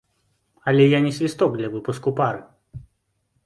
Але я не свісток для выпуску пары.